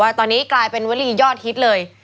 ตอนนี้กลายเป็นวลียอดฮิตเลย